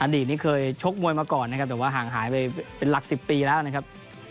ดีตนี้เคยชกมวยมาก่อนนะครับแต่ว่าห่างหายไปเป็นหลัก๑๐ปีแล้วนะครับ